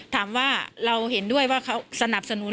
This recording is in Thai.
ถามว่าเราเห็นด้วยว่าเขาสนับสนุน